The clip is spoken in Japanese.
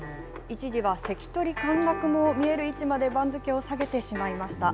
一時は関取陥落も見える位置まで番付を下げてしまいました。